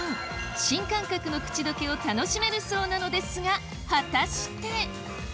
新感覚の口どけを楽しめるそうなのですが果たして？